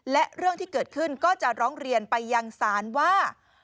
และเรื่องที่เกิดขึ้นก็จะร้องเรียนไปยังศาลว่า